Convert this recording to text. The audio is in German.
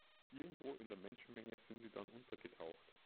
Irgendwo in der Menschenmenge sind sie dann untergetaucht.